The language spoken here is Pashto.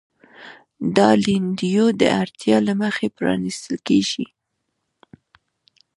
دا لیندیو د اړتیا له مخې پرانیستل کېږي.